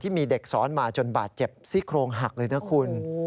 มีเด็กซ้อนมาจนบาดเจ็บซี่โครงหักเลยนะคุณ